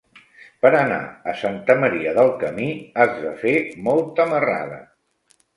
Per anar a Santa Maria del Camí has de fer molta marrada.